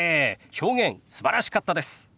表現すばらしかったです。